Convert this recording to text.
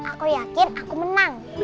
aku yakin aku menang